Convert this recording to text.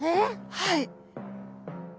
はい。